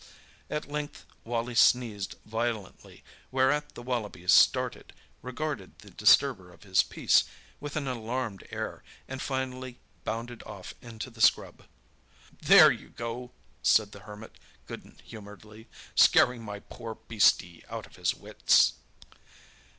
At length Wally sneezed violently, whereat the wallaby started, regarded the disturber of his peace with an alarmed air, and finally bounded off into the scrub. "There you go!" said the Hermit good humouredly, "scaring my poor beastie out of his wits."